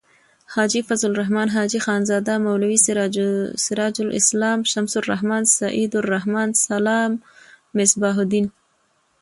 حاجی فضل الرحمن. حاجی خانزاده. مولوی سراج السلام. شمس الرحمن. سعیدالرحمن.سلام.مصباح الدین